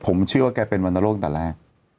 ผมเชื่อว่าแกเป็นวรรณโรคแต่แรก